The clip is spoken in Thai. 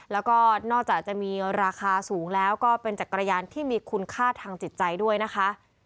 แล้วก็นอกจากจะมีราคาสูงแล้วก็เป็นจักรยานที่มีคุณค่าทางจิตใจด้วยนะคะ